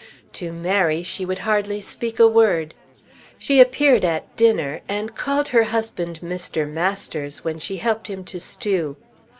To Mary she would hardly speak a word. She appeared at dinner and called her husband Mr. Masters when she helped him to stew.